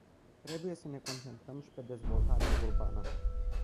Trebuie să ne concentrăm și pe dezvoltarea urbană.